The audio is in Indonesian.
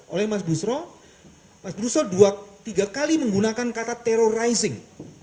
oleh mas busro mas busro dua tiga kali menggunakan kata terrorizing